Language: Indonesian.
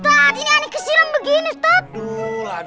ustadz ini aneh kesiram begini ustadz